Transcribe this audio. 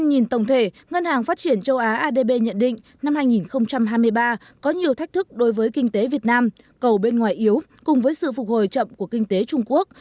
năm hai nghìn hai mươi ba có nhiều thách thức đối với kinh tế việt nam cầu bên ngoài yếu cùng với sự phục hồi chậm của kinh tế trung quốc